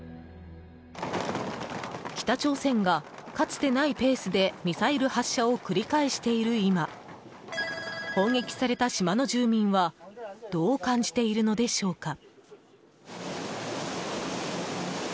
北朝鮮が、かつてないペースでミサイル発射を繰り返している今砲撃された島の住民はどう感じているのでしょうか？